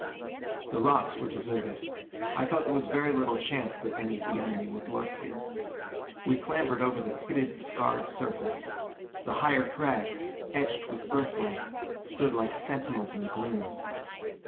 The rocks were deserted. I thought there was very little chance that any of the enemy would lurk here. We clambered over the pitted, scarred surface. The higher crags, etched with Earthlight, stood like sentinels in the gloom.